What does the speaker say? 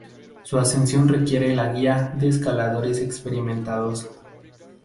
Su ascensión requiere la guía de escaladores experimentados.